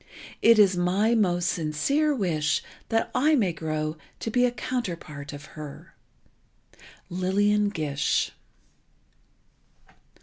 It is my most sincere wish that I may grow to be a counterpart of her. Lillian Gish."